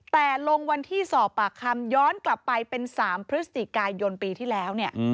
แต่ลงวันที่สอบปากคำย้อนกลับไปเป็น๓พฤศจิกายนปีที่แล้ว